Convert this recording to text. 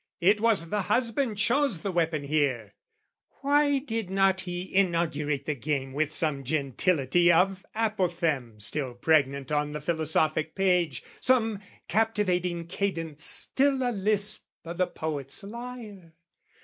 It was the husband chose the weapon here. Why did not he inaugurate the game With some gentility of apophthegm Still pregnant on the philosophic page, Some captivating cadence still a lisp O' the poet's lyre?